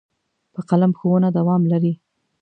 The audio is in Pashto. په قلم ښوونه دوام لري.